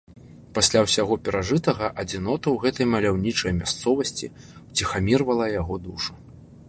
Пасля ўсяго перажытага адзінота ў гэтай маляўнічай мясцовасці ўціхамірвала яго душу.